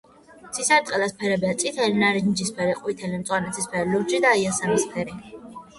ცისარტყელას ფერებია: წითელი ნარინჯისფერი ყვითელი მწვანე ცისფერი ლურჯი იისფერი